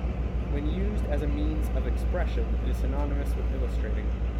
When used as a means of expression, it is synonymous with illustrating.